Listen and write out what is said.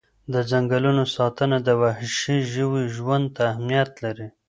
د ځنګلونو ساتنه د وحشي ژوو ژوند ته اهمیت لري.